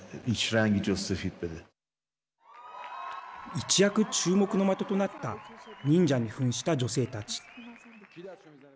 一躍注目の的となった忍者にふんした女性たち。